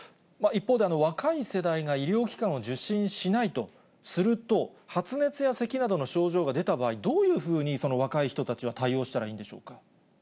一方で、若い世代が医療機関を受診しないとすると、発熱やせきなどの症状が出た場合、どういうふうに若い人たちは対応したらいいんでしょうか。